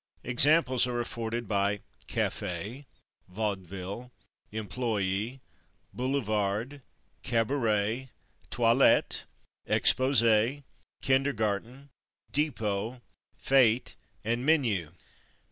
Examples are afforded by /café/, /vaudeville/, /employé/, /boulevard/, /cabaret/, /toilette/, /exposé/, /kindergarten/, /dépôt/, /fête/ and /menu